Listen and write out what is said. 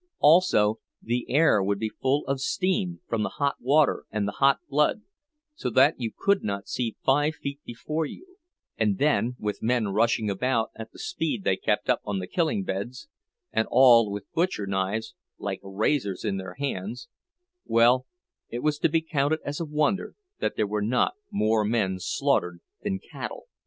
Also the air would be full of steam, from the hot water and the hot blood, so that you could not see five feet before you; and then, with men rushing about at the speed they kept up on the killing beds, and all with butcher knives, like razors, in their hands—well, it was to be counted as a wonder that there were not more men slaughtered than cattle.